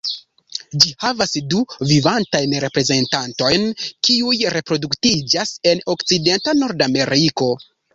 Ĝi havas du vivantajn reprezentantojn kiuj reproduktiĝas en okcidenta Nordameriko.